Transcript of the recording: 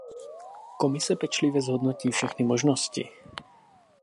Komise pečlivě zhodnotí všechny možnosti.